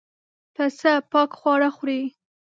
پسه پاک خواړه خوري.